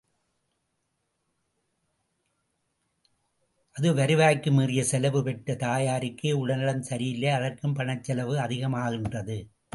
அவரது வருவாய்க்கு மீறிய செலவு, பெற்ற தாயாருக்கோ உடல் நலம் சரியில்லை, அதற்கும் பணச் செலவு அதிகமாகின்றது.